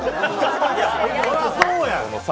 いや、そらそうやん。